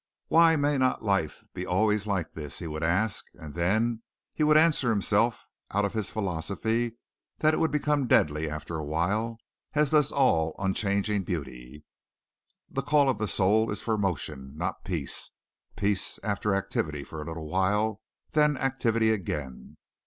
"Why may not life be always like this?" he would ask, and then he would answer himself out of his philosophy that it would become deadly after awhile, as does all unchanging beauty. The call of the soul is for motion, not peace. Peace after activity for a little while, then activity again.